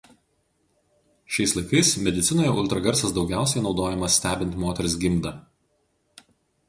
Šiais laikais medicinoje ultragarsas daugiausiai naudojamas stebint moters gimdą.